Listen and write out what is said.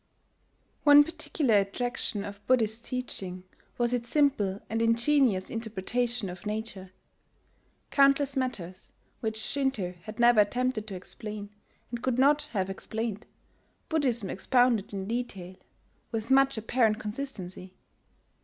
One particular attraction of Buddhist teaching was its simple and ingenious interpretation of nature. Countless matters which Shinto had never attempted to explain, and could not have explained, Buddhism expounded in detail, with much apparent consistency.